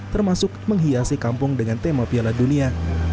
termasuk menghiasi kampung dengan tema piala dunia